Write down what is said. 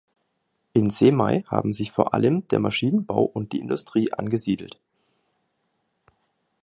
In Semei haben sich vor allem der Maschinenbau und die Industrie angesiedelt.